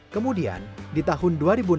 kemudian di tahun dua ribu enam belas